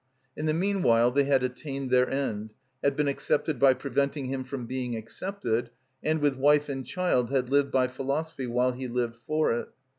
In the meanwhile they had attained their end, had been accepted by preventing him from being accepted, and, with wife and child, had lived by philosophy, while he lived for it.